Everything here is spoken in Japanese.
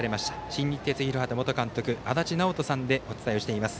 新日鉄広畑元監督足達尚人さんでお伝えしています。